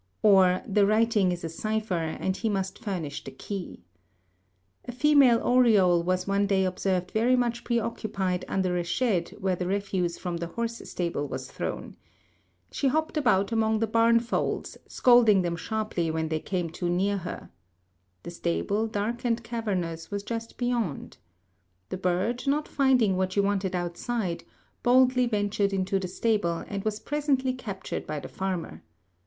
Or, the writing is a cipher and he must furnish the key. A female oriole was one day observed very much preoccupied under a shed where the refuse from the horse stable was thrown. She hopped about among the barn fowls, scolding them sharply when they came too near her. The stable, dark and cavernous, was just beyond. The bird, not finding what she wanted outside, boldly ventured into the stable, and was presently captured by the farmer.